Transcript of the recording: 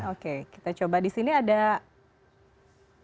oke kita coba disini ada apa ya